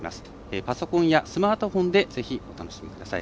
パソコンやスマートフォンでぜひお楽しみください。